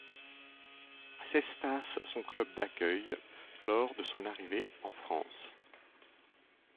Cestas son club d'accueil lors de son arrivée en France.